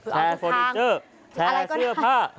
แชร์ฟอริเจอร์แชร์เสื้อผ้า